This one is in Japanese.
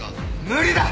無理だ！